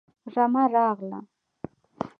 رمه راغله